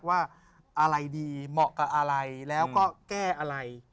ว่าอะไรดีเหมาะกับอะไรแล้วก็แก้อะไร